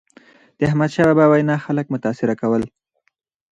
د احمدشاه بابا وینا خلک متاثره کول.